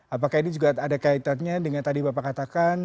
apakah ini juga ada kaitannya dengan tadi bapak katakan